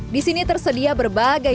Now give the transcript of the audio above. di sini tersedia berbagai